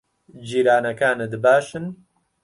جیرانەکانت باشن؟